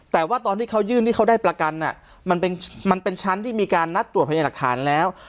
แต่ว่าตอนที่เขายื่นที่เขาได้ประกันมันเป็นชั้นที่มีการนัดตรวจพยาหลักฐานแล้ว